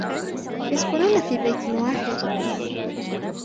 يسكنون في بيت واحد.